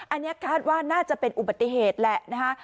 อันนี้คาดว่าน่าจะเป็นอุบัติเหตุแหละนะคะ